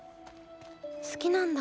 好きなんだ？